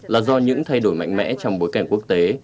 là do những thay đổi mạnh mẽ trong bối cảnh quốc tế